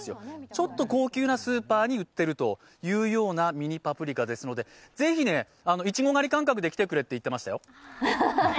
ちょっと高級なスーパーに売ってるというミニパプリカですのでぜひ、いちご狩り感覚で来てくれって言ってましたよ。